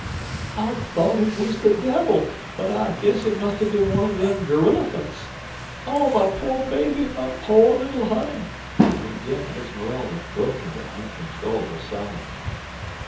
"I thought it was the devil; but I guess it must have been one of them gorilephants. Oh, my poor baby, my poor little honey," and again Esmeralda broke into uncontrollable sobbing.